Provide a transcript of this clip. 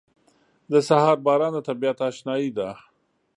• د سهار باران د طبیعت اشنايي ده.